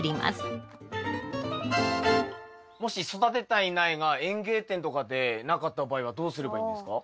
もし育てたい苗が園芸店とかでなかった場合はどうすればいいんですか？